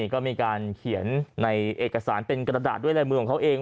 ก็มีการเขียนในเอกสารเป็นกระดาษด้วยลายมือของเขาเอง